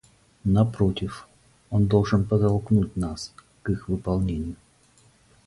Напротив, он должен подтолкнуть нас к их выполнению.